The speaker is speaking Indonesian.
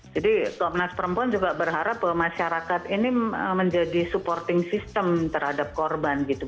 jadi komnas perempuan juga berharap bahwa masyarakat ini menjadi supporting system terhadap korban gitu